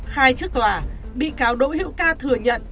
khai chức tòa bị cáo đỗ hiệu ca thừa nhận